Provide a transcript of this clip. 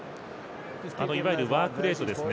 いわゆるワークレートですね。